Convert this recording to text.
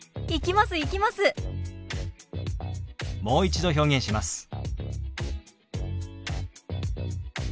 もう一度表現します。